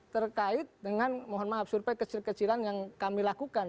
terkait dengan mohon maaf survei kecil kecilan yang kami lakukan